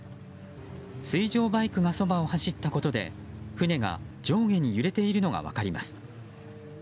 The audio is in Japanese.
水上バイクがそばを走ったことで船が上下に揺れているのが分かります。